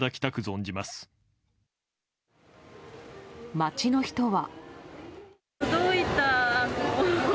街の人は。